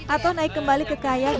atau naik kembali ke kaya